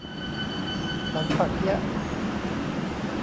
สันป่าเกี๊ยะ